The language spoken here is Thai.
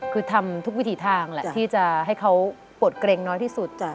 คือทำทุกวิถีทางแหละที่จะให้เขาปวดเกร็งน้อยที่สุด